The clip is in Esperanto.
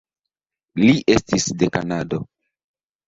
Li estis de Kanado.